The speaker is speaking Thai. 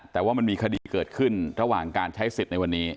แต่ว่ามันมีคดีเกิดขึ้นระหว่างการใช้สิทธิ์ในวันนี้